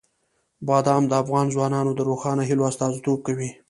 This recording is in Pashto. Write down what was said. بادام د افغان ځوانانو د روښانه هیلو استازیتوب کوي.